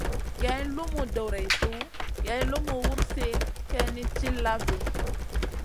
Geyn lumu doreissou geyn lumu wursi kayni tilla vi.